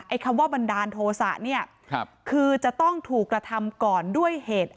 คำว่าบันดาลโทษะเนี่ยคือจะต้องถูกกระทำก่อนด้วยเหตุ